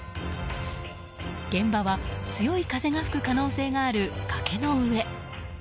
現場は強い風が吹く可能性がある崖の上。